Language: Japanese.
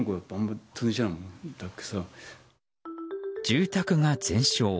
住宅が全焼。